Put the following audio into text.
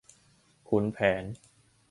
ขุนแผน